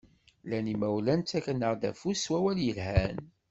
Llan imawlan ttaken-aɣ-d affud s wawal yelhan.